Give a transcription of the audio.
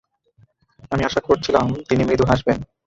আমি আশা করছিলাম, তিনি মৃদু হাসবেন।